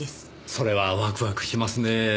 それはワクワクしますねぇ。